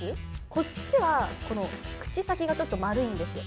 こっちは口先がちょっと丸いんですよ。